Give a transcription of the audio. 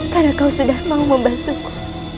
karena kau sudah mau membantuku